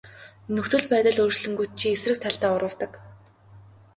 Нөхцөл байдал өөрчлөгдөнгүүт чи эсрэг талдаа урвадаг.